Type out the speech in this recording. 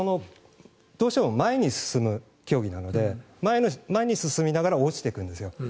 どうしても前に進む競技なので前に進みながら落ちてくんですよ。